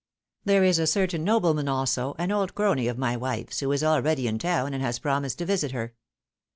There is a certain nobleman, also, an old crony of my wife's, who is already in town, and has promised to visit her.